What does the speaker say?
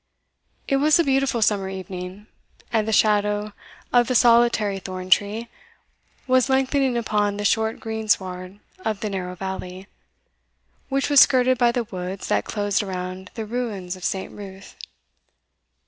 It was a beautiful summer evening, and the shadow of the solitary thorn tree was lengthening upon the short greensward of the narrow valley, which was skirted by the woods that closed around the ruins of St. Ruth.